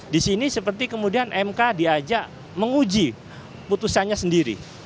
di sini seperti kemudian mk diajak menguji putusannya sendiri